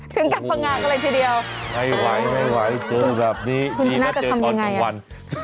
ถึงกลับมางานกันเลยทีเดียวไม่ไหวเจอแบบนี้นี่น่าเจอตอนกลางวัน